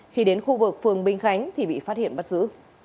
khi đến khu vực phường bình khánh thì bị phát hiện bắt giữ